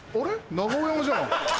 長尾山じゃん。